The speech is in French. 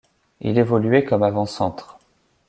Il évoluait comme avant-centre.